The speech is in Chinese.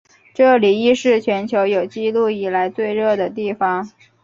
这里亦是全球有纪录以来最热的地方。